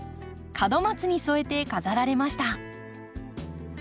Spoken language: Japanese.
門松に添えて飾られました。